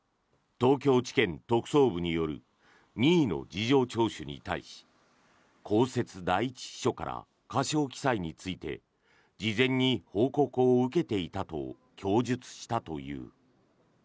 東京地検特捜部による任意の事情聴取に対し公設第１秘書から過少記載について事前に報告を受けていたと供述したという。